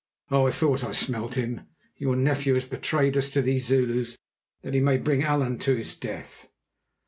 Oh! I thought I smelt him! Your nephew has betrayed us to these Zulus that he may bring Allan to his death.